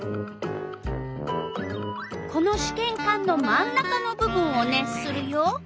このしけんかんの真ん中の部分を熱するよ。